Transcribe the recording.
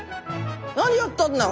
何やったんだ？